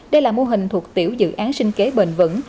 đây là mô hình thuộc tiểu dự án sinh kế bền vững